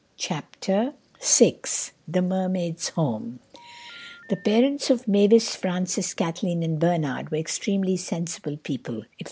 CHAPTER SIX The Mermaid's Home THE PARENTS of Mavis, Francis, Kathleen and Bernard were extremely sensible people.